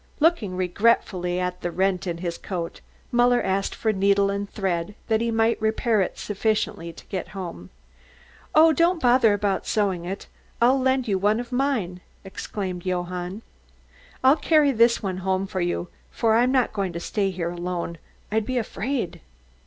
Looking regretfully at the rent in his coat, Muller asked for needle and thread that he might repair it sufficiently to get home. "Oh, don't bother about sewing it; I'll lend you one of mine," exclaimed Johann. "I'll carry this one home for you, for I'm not going to stay here alone I'd be afraid.